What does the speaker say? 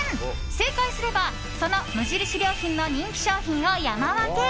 正解すればその無印良品の人気商品を山分け。